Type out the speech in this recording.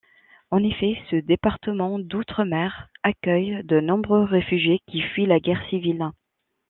En effet, ce département d'outre-mer accueille de nombreux réfugiés qui fuient la guerre civile.